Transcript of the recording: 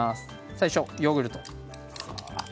最初、ヨーグルト。